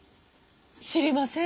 知りません？